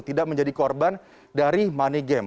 tidak menjadi korban dari money game